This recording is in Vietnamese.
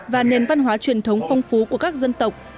và nền văn hóa truyền thống phong phú của các dân tộc